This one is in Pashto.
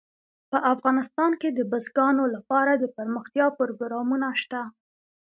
په افغانستان کې د بزګانو لپاره دپرمختیا پروګرامونه شته.